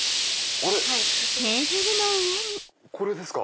あれ⁉これですか？